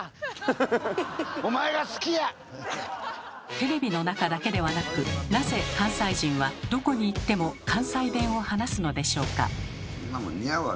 テレビの中だけではなくなぜ関西人はどこに行っても関西弁を話すのでしょうか？